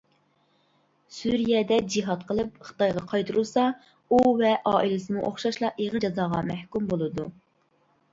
سۈرىيەدە جىھاد قىلىپ خىتايغا قايتۇرۇلسا ئۇ ۋە ئائىلىسىمۇ ئوخشاشلا ئېغىر جازاغا مەھكۇم بولىدۇ.